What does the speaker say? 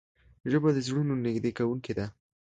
ژبه د زړونو نږدې کوونکې ده